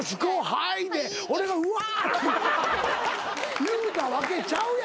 「はい」で俺が「うわ」って言うたわけちゃうやろ？